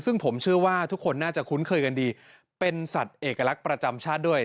ซึ่งผมเชื่อว่าทุกคนน่าจะคุ้นเคยกันดีเป็นสัตว์เอกลักษณ์ประจำชาติด้วย